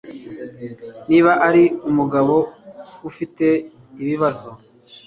Niba ari mugabo, dufite ibibazo